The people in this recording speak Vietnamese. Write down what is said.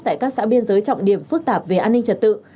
tại các xã biên giới trọng điểm phức tạp về an ninh trật tự